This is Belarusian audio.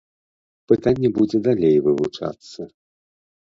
Пытанне будзе далей вывучацца.